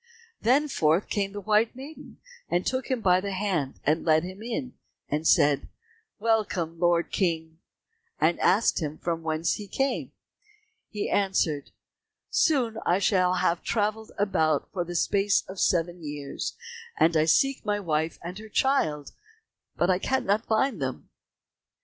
Then forth came the white maiden, took him by the hand, led him in, and said, "Welcome, Lord King," and asked him from whence he came. He answered, "Soon shall I have travelled about for the space of seven years, and I seek my wife and her child, but cannot find them."